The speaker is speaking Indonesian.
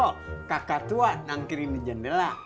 oh kakak tua nangkirin di jendela